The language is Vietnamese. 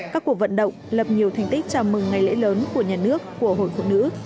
các cuộc vận động lập nhiều thành tích chào mừng ngày lễ lớn của nhà nước của hội phụ nữ